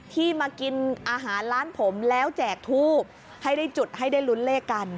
ที่มากินอาหารร้านผมแล้วแจกทูบให้ได้จุดให้ได้ลุ้นเลขกัน